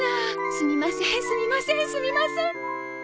すみませんすみませんすみません。